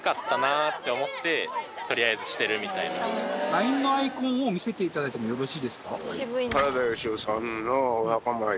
ＬＩＮＥのアイコンを見せていただいてもよろしいですか？